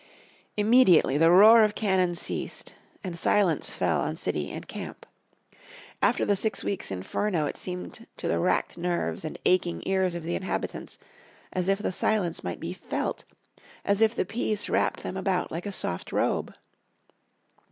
Immediately the roar of cannon ceased, and silence fell on city and camp. After the six weeks' inferno it seemed to the racked nerves and aching ears of the inhabitants as if the silence might be felt, as if the peace wrapped them about like a soft robe.